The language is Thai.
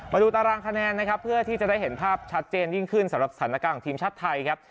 มาดูตารางคะแนนนะครับเพื่อที่จะได้เห็นภาพชัดเจนยิ่งขึ้นสำหรับสถานการณ์ของทีมชาติไทยครับ